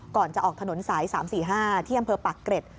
ก่อนจะออกถนนสาย๓๔๕ที่อำเภอปากเกร็ด